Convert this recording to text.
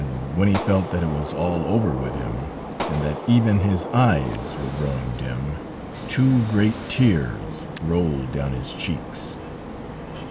And when he felt that it was all over with him, and that even his eyes were growing dim, two great tears rolled down his cheeks....